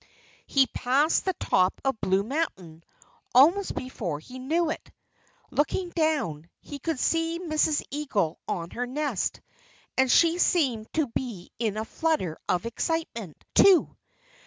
He passed the top of Blue Mountain almost before he knew it. Looking down, he could see Mrs. Eagle on her nest; and she seemed to be in a flutter of excitement, too.